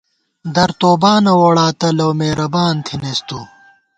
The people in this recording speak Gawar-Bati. در توبانہ ووڑاتہ ، لؤ میرَبان تھنَئیس تُو